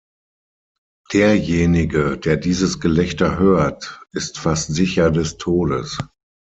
Derjenige, der dieses Gelächter hört, ist fast sicher des Todes.